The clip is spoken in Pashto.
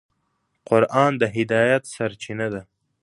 قرآن د هدایت سرچینه ده.